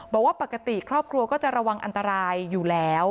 บอกว่าปกติครอบครัวก็จะระวังอันตรายอยู่แล้ว